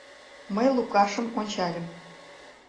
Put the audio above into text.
Мый Лукашым ончальым.